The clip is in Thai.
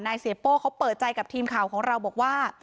เสียโป้เขาเปิดใจกับทีมข่าวของเราบอกว่า